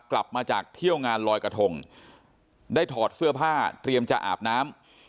กลับมาจากเที่ยวงานลอยกระทงได้ถอดเสื้อผ้าเตรียมจะอาบน้ำ